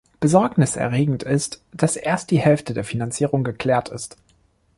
Besorgniserregend ist, dass erst die Hälfte der Finanzierung geklärt ist.